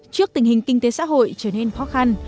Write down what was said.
trước tình hình kinh tế xã hội trở nên khó khăn